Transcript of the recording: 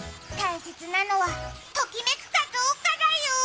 大切なのは、ときめくかどうかだよ。